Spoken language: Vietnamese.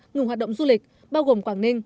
ngừng hoạt động du lịch bao gồm quảng ninh